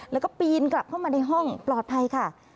แล้วก็ปีนกลับเข้ามาในห้องปลอดภัยค่ะ